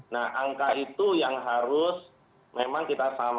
nah angka itu yang harus memang kita sama sama